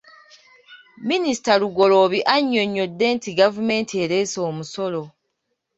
Minisita Lugoloobi annyonnyodde nti gavumenti ereese omusolo.